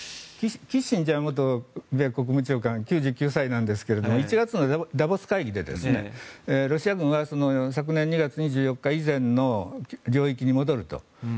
キッシンジャー元米国国務長官９９歳なんですが１月のダボス会議でロシア軍は昨年２月２４日以前の領域に戻ると。